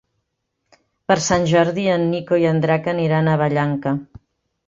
Per Sant Jordi en Nico i en Drac aniran a Vallanca.